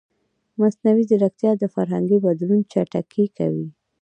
مصنوعي ځیرکتیا د فرهنګي بدلون چټکوي.